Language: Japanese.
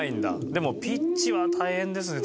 でもピッチは大変ですね